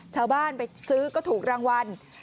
ชาวบ้านไปซื้อก็ถูกรางวัล